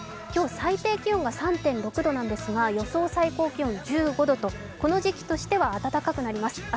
今日、最低気温が３．６度なんですが予想最高気温１５度と、この時期としては暖かくなります。